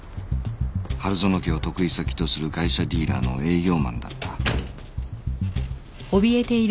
春薗家を得意先とする外車ディーラーの営業マンだった